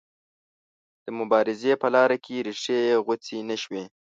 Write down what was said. د مبارزې په لاره کې ریښې یې غوڅې نه شوې.